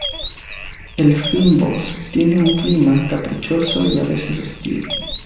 El fynbos tiene un clima caprichoso y a veces hostil.